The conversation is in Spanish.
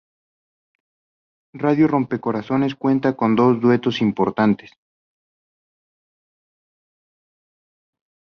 Radio Rompecorazones cuenta con dos duetos importantes.